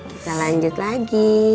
kita lanjut lagi